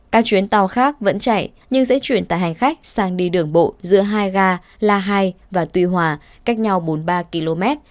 các chuyến tàu khác vẫn chạy nhưng sẽ chuyển tải hành khách sang đi đường bộ giữa hai ga la hai và tuy hòa cách nhau bốn mươi ba km